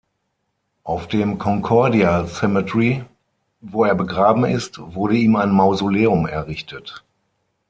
Auf dem "Concordia Cemetery", wo er begraben ist, wurde ihm ein Mausoleum errichtet.